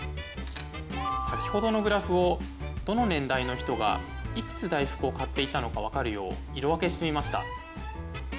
先ほどのグラフをどの年代の人がいくつ大福を買っていたのかわかるよう色分けしてみました。